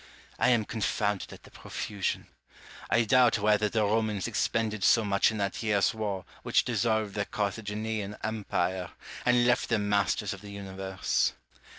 I am confounded at the profusion. I doubt whether the Romans expended so much in that year's war which dissolved the Carthaginian empire, and left them masters of the universe.